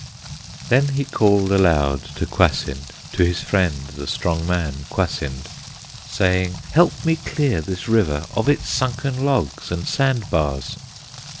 Then he called aloud to Kwasind, To his friend, the strong man, Kwasind, Saying, "Help me clear this river Of its sunken logs and sand bars."